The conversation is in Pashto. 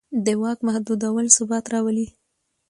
د واک محدودول ثبات راولي